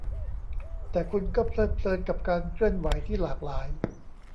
แต่คุณก็เพลิดเพลินกับการเคลื่อนไหวที่หลากหลาย